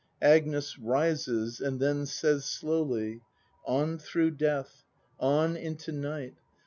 Agnes. [Rises, and then says slowly:] On through Death. On into Night.